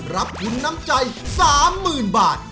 รับทุนน้ำใจ๓๐๐๐บาท